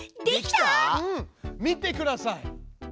うん見てください！